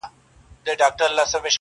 د کلي دې ظالم ملا سيتار مات کړی دی.